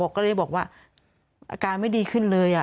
ก็เลยบอกว่าอาการไม่ดีขึ้นเลย